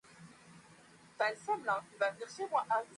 Unauza chakula gani?